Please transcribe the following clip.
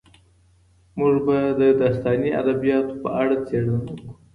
موږ به د داستاني ادبیاتو په اړه څېړنه وکړو.